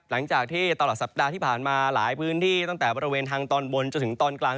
หลังจากที่ตลอดสัปดาห์ที่ผ่านมาหลายพื้นที่ตั้งแต่บริเวณทางตอนบนจนถึงตอนกลาง